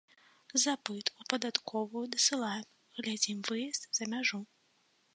Запыт у падатковую дасылаем, глядзім выезд за мяжу.